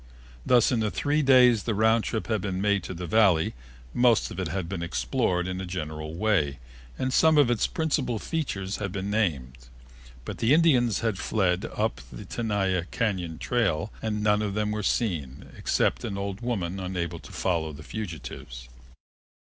Thus, in three days the round trip had been made to the Valley, most of it had been explored in a general way and some of its principal features had been named. But the Indians had fled up the Tenaya Cañon trail and none of them were seen, except an old woman unable to follow the fugitives.